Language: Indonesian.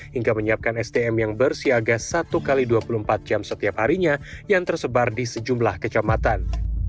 hingga menyiapkan sdm yang bersiaga satu x dua puluh empat jam setiap harinya yang tersebar di sejumlah kecamatan